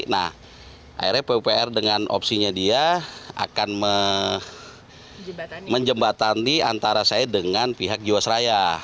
nah akhirnya pupr dengan opsinya dia akan menjembatani antara saya dengan pihak jiwasraya